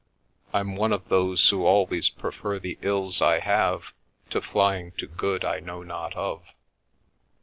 I'm one of those who always prefer the ills I have to flying to good I know not of.